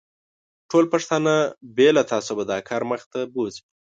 ټوله پښتانه باید بې له تعصبه دا کار مخ ته بوزي.